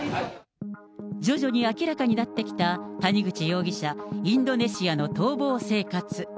徐々に明らかになってきた谷口容疑者、インドネシアの逃亡生活。